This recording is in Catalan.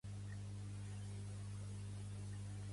Aquest no duu guants i toca tot el menjar